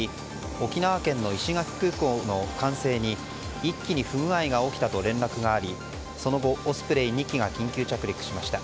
沖縄県の石垣空港の管制に１機に不具合が起きたと連絡がありその後、オスプレイ２機が緊急着陸しました。